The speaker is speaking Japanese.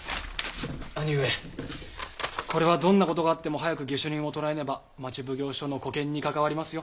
兄上これはどんな事があっても早く下手人を捕らえねば町奉行所の沽券に関わりますよ。